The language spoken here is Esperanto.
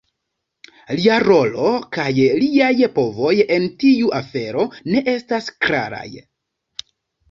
Lia rolo kaj liaj povoj en tiu afero ne estas klaraj.